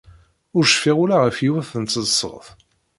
Ur cfiɣ ula ɣef yiwet n tseḍsut.